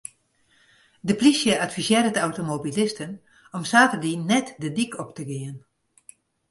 De plysje advisearret automobilisten om saterdei net de dyk op te gean.